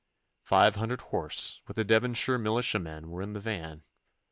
Five hundred horse with the Devonshire militiamen were in the van.